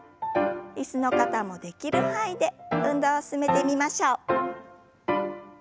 椅子の方もできる範囲で運動を進めてみましょう。